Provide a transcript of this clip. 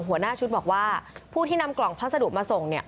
หัวหน้าชุดบอกว่าผู้ที่นำกล่องพัสดุมาส่ง